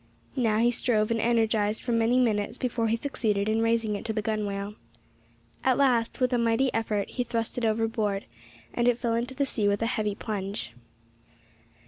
Now he strove and energised for many minutes, before he succeeded in raising it to the gunwale. At last, with a mighty effort, he thrust it overboard, and it fell into the sea with a heavy plunge.